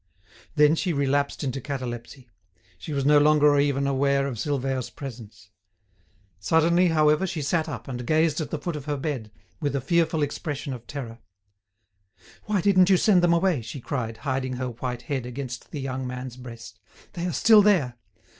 Then she relapsed into catalepsy; she was no longer even aware of Silvère's presence. Suddenly, however, she sat up, and gazed at the foot of her bed, with a fearful expression of terror. "Why didn't you send them away?" she cried, hiding her white head against the young man's breast. "They are still there.